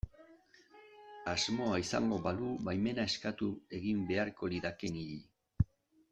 Asmoa izango balu baimena eskatu egin beharko lidake niri.